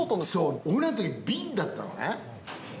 俺らのとき、瓶だったのね。